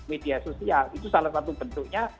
media sosial itu salah satu bentuknya